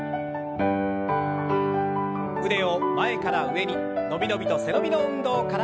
腕を前から上に伸び伸びと背伸びの運動から。